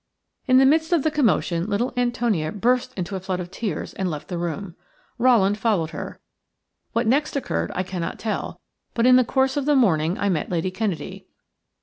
In the midst of the commotion little Antonia burst into a flood of tears and left the room. Rowland followed her. What next occurred I cannot tell, but in the course of the morning I met Lady Kennedy.